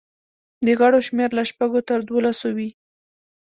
د غړو شمېر له شپږو تر دولسو وي.